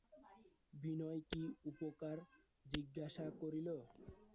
বিনয় কী উপকার জিজ্ঞাসা করিল।